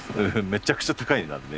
めちゃくちゃ高い値段で。